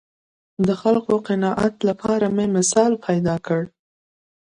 د خلکو قناعت لپاره مې مثال پیدا کړ